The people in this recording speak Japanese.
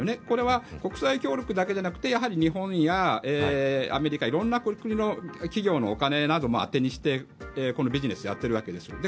これは、国際協力だけでなくて日本やアメリカ色んな国の企業のお金なども当てにしてビジネスをやっているわけです。